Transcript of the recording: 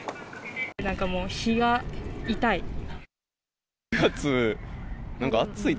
なんかもう、日が痛い。